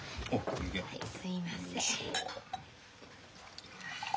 はいすいません。